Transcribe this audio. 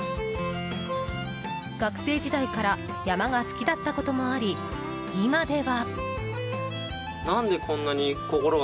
学生時代から山が好きだったこともあり今では。